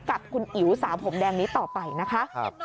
กับคุณอิ๋วสาวผมแดงนี้ต่อไปนะคะ